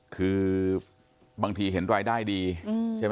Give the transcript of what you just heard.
คือบางทีเห็นรายได้ดีใช่ไหม